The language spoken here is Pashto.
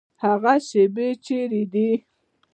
هغه شیبې چیري دي؟